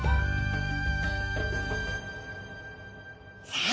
さあ